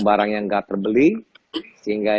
barangnya gak terbeli sehingga